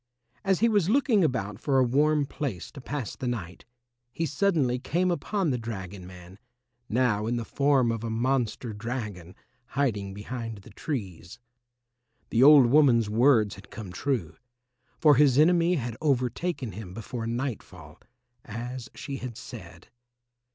As he was looking about for a warm place to pass the night, he suddenly came upon the dragon man, now in the form of a monster dragon, hiding behind the trees. The old woman's words had come true, for his enemy had overtaken him before nightfall, as she had said.